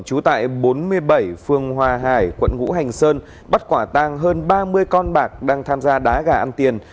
trú tại bốn mươi bảy phương hòa hải quận ngũ hành sơn bắt quả tàng hơn ba mươi con bạc đang tham gia đá gãn tiền